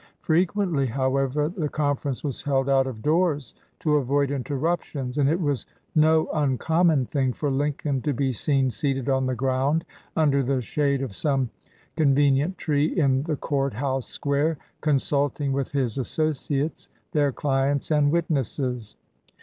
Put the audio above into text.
Frequently, however, the conference was held out of doors to avoid interruptions, and it was no uncommon thing for Lincoln to be seen seated on the ground under the shade of some conve nient tree in the court house square, consulting with his associates, their clients and witnesses.